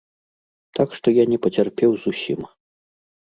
Так што я не пацярпеў зусім.